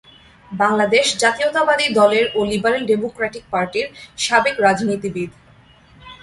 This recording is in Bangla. বাংলাদেশ জাতীয়তাবাদী দলের ও লিবারেল ডেমোক্র্যাটিক পার্টির সাবেক রাজনীতিবিদ।